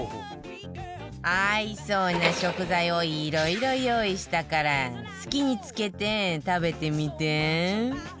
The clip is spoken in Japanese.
合いそうな食材をいろいろ用意したから好きにつけて食べてみて